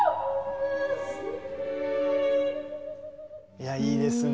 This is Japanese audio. いやいいですね